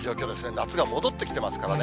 夏が戻ってきてますからね。